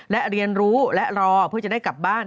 และเรียนรู้และรอเพื่อจะได้กลับบ้าน